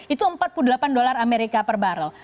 itu empat puluh delapan dolar amerika per barrel